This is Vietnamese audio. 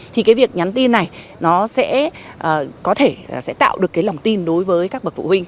thì cái việc nhắn tin này nó sẽ có thể tạo được cái lòng tin đối với các bậc phụ huynh